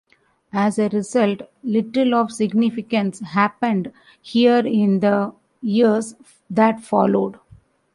As a result, little of significance happened here in the years that followed.